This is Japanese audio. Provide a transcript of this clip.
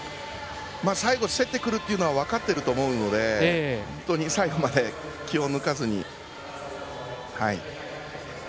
最後競ってくるというのは分かっているので最後まで気を抜かずに。